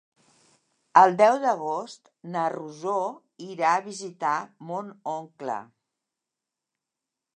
El deu d'agost na Rosó irà a visitar mon oncle.